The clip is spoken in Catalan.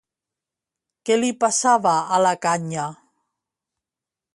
Què li passava a la canya?